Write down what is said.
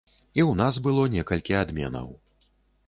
І ў нас было некалькі адменаў.